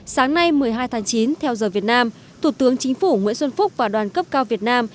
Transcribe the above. sáng nay một mươi hai tháng chín theo giờ việt nam thủ tướng chính phủ nguyễn xuân phúc và đoàn cấp cao việt nam